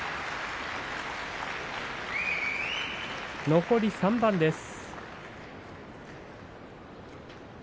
残り３番です。